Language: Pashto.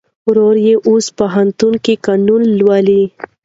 ورور یې اوس پوهنتون کې قانون لولي.